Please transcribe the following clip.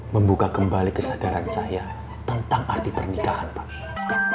membuka kembali kesadaran saya tentang arti pernikahan pak